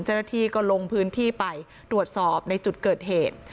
เจ้าหน้าที่ก็ลงพื้นที่ไปตรวจสอบในจุดเกิดเหตุ